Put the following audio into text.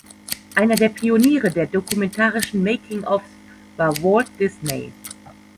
Einer der Pioniere der dokumentarischen Making-ofs war Walt Disney.